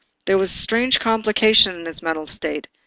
There was a strange complication in his mental state.